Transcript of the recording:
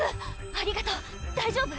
ありがとう大丈夫？